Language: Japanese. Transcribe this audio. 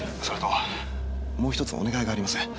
それともう一つお願いがあります。